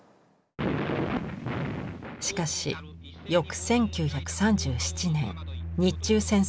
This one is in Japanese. しかし翌１９３７年日中戦争が勃発。